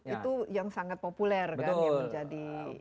itu yang sangat populer kan yang menjadi